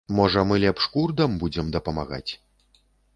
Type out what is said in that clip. Можа, мы лепш курдам будзем дапамагаць?